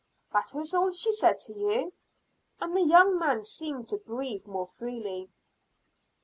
"That was all she said to you?" and the young man seemed to breathe more freely.